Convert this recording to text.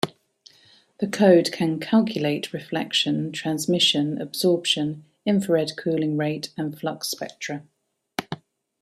The code can calculate reflection, transmission, absorption, infrared cooling rate, and flux spectra.